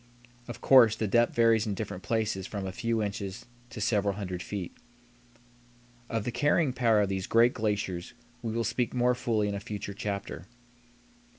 Of course, the depth varies in different places from a few inches to several hundred feet. Of the carrying power of these great glaciers we will speak more fully in a future chapter.